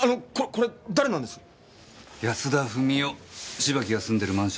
芝木が住んでるマンションの大家だよ。